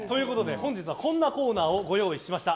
本日はこんなコーナーをご用意しました。